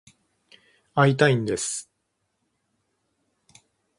会いたいんです。